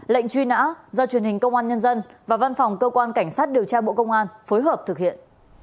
lệnh truy nã do truyền hình công an nhân dân và văn phòng cơ quan cảnh sát điều tra bộ công an phối hợp thực hiện